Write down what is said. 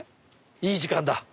いい時間だ！